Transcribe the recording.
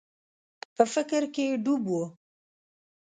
په فکر کي ډوب و.